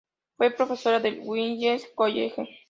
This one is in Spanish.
Fue profesora del "Wellesley College.